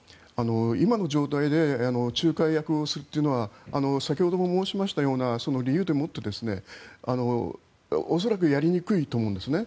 今の状態で仲介役をするというのは先ほども申しましたような理由でもって恐らくやりにくいと思うんですね。